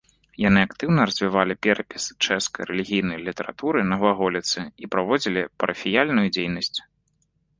Яны актыўна развівалі перапіс чэшскай рэлігійнай літаратуры на глаголіцы і праводзілі парафіяльную дзейнасць.